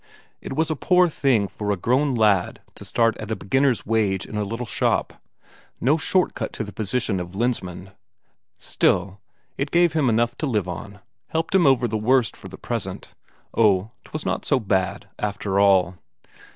It was a poor thing for a grown lad to start at a beginner's wage in a little shop; no short cut to the position of a Lensmand; still, it gave him enough to live on, helped him over the worst for the present oh, 'twas not so bad, after all.